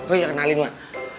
oh iya kenalin mak